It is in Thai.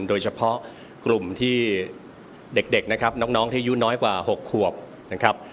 โดยเฉพาะกลุ่มที่เด็กน้องที่อายุน้อยกว่า๖ขวบ